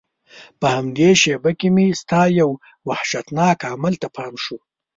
په همدې شېبه کې مې ستا یو وحشتناک عمل ته پام شو.